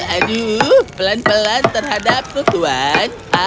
aduh pelan pelan terhadapku tuhan